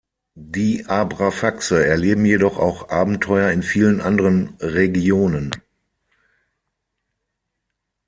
Die Abrafaxe erleben jedoch auch Abenteuer in vielen anderen Regionen.